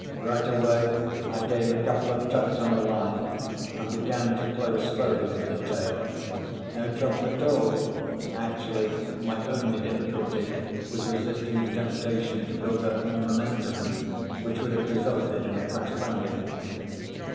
Right away I gave a couple of tugs on the line and began to close slowly with the tail. No trouble at all—actually my only difficulty was resisting the temptation to build up more momentum, which would have resulted in a crash landing.